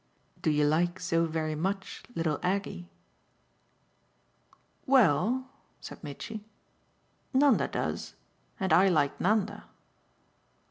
"Do you like so very much little Aggie?" "Well," said Mitchy, "Nanda does. And I like Nanda."